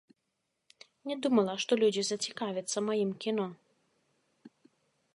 Не думала, што людзі зацікавяцца маім кіно.